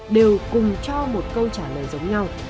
đều cùng cho một câu trả lời giống nhau